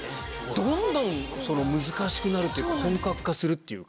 どんどん難しくなるというか、本格化するというか。